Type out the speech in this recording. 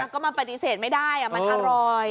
ก็มันปฏิเสธไม่ได้มันอร่อย